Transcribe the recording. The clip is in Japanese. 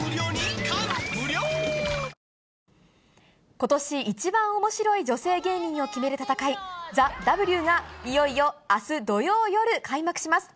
ことし一番おもしろい女性芸人を決める戦い、ＴＨＥＷがいよいよあす土曜夜、開幕します。